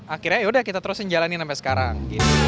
akhirnya yaudah kita terusin jalanin sampai sekarang